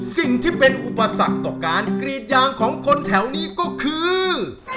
สิ่งที่เป็นอุปสรรคต่อการกรีดยางของคนแถวนี้ก็คือ